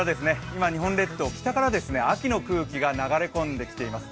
今、日本列島、北から秋の空気が流れ込んできています。